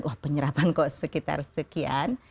wah penyerapan kok sekitar sekian